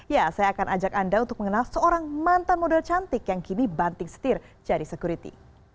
ya saya akan ajak anda untuk mengenal seorang mantan model cantik yang kini banting setir jadi security